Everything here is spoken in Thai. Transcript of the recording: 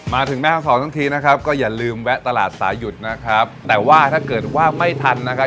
มาถึงแม่ห้องศรทั้งทีนะครับก็อย่าลืมแวะตลาดสายุดนะครับแต่ว่าถ้าเกิดว่าไม่ทันนะครับ